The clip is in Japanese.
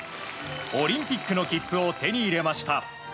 オリンピックの切符を手に入れました。